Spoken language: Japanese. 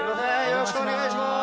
よろしくお願いします。